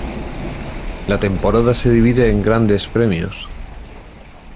La temporada se divide en grandes premios.